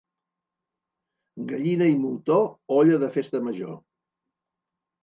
Gallina i moltó, olla de festa major.